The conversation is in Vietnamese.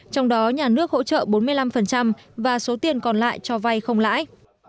trong đó nhà nước hỗ trợ bốn mươi năm và số tiền còn lại cho vay không lãi